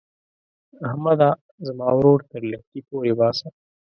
احمده؛ زما ورور تر لښتي پورې باسه.